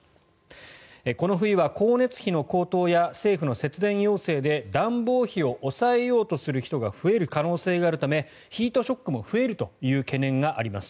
この冬は光熱費の高騰や政府の節電要請で暖房費を抑えようとする人が増える可能性があるためヒートショックも増えるという懸念があります。